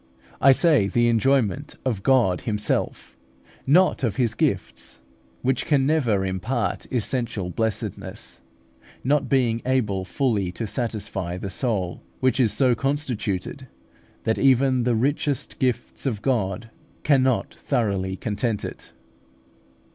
I say the enjoyment of God Himself, not of His gifts, which can never impart essential blessedness, not being able fully to satisfy the soul, which is so constituted that even the richest gifts of God cannot thoroughly content it.